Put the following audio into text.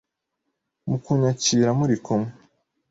Mu kunyakira muri kumwe